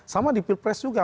sama di pilpres juga